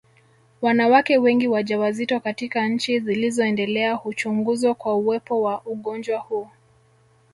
Wanawake wengi wajawazito katika nchi zilizoendelea huchunguzwa kwa uwepo wa ugonjwa huu